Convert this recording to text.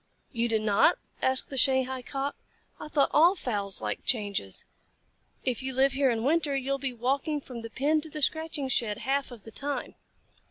"You do not?" asked the Shanghai Cock. "I thought all fowls liked changes. If you live here in winter, you will be walking from the pen to the scratching shed half of the time."